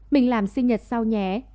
mình làm sinh nhật sau nhé